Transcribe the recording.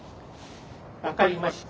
分かりました。